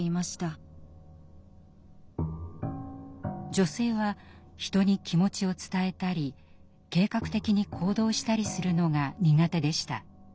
女性は人に気持ちを伝えたり計画的に行動したりするのが苦手でした。